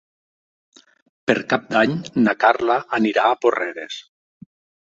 Per Cap d'Any na Carla anirà a Porreres.